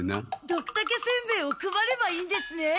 ドクタケせんべえを配ればいいんですね！